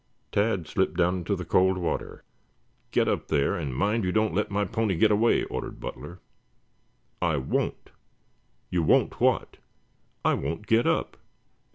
Tad slipped down into the cold water. "Get up there, and mind you don't let my pony get away," ordered Butler. "I won't!" "You won't what?" "I won't get up."